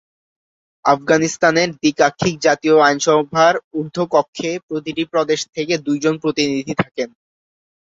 আফগানিস্তানের দ্বি-কাক্ষিক জাতীয় আইনসভার ঊর্ধ্ব কক্ষে প্রতিটি প্রদেশ থেকে দুইজন প্রতিনিধি থাকেন।